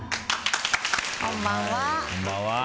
こんばんは。